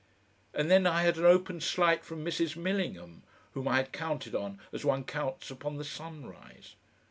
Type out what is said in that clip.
And then I had an open slight from Mrs. Millingham, whom I had counted on as one counts upon the sunrise.